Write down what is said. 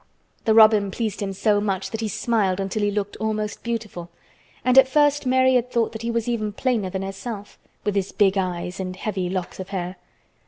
The robin pleased him so much that he smiled until he looked almost beautiful, and at first Mary had thought that he was even plainer than herself, with his big eyes and heavy locks of hair.